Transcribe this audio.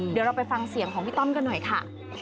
เดี๋ยวเราไปฟังเสียงของพี่ต้อมกันหน่อยค่ะ